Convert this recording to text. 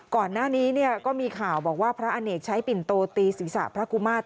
ก่อนหน้านี้ก็มีข่าวบอกว่าพระอเนกใช้ปิ่นโตตีศีรษะพระกุมาตร